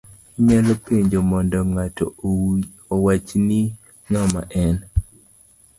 Inyalo penjo mondo ngato owachni ng'ama en;